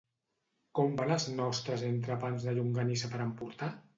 Com van els nostres entrepans de llonganissa per emportar?